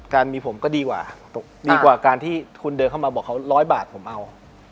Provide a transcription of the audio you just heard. การมีผมก็ดีกว่าดีกว่าการที่คุณเดินเข้ามาบอกเขาร้อยบาทผมเอา